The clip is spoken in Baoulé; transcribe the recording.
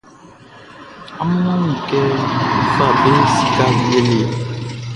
Amun a wun kɛ n fa be sikaʼn wie le?